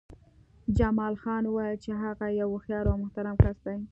جمال خان وویل چې هغه یو هوښیار او محترم کس دی